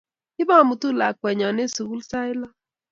Ibamutu lakwenyo eng' sukul sait lo